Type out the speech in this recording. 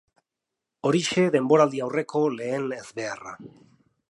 Horixe denboraldi aurreko lehen ezbeharra.